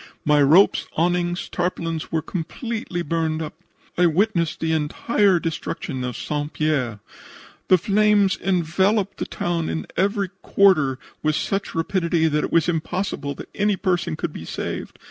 My ropes, awnings, tarpaulins were completely burned up. "I witnessed the entire destruction of St. Pierre. The flames enveloped the town in every quarter with such rapidity that it was impossible that any person could be saved.